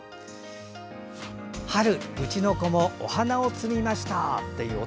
春、うちの子もお花を摘みました。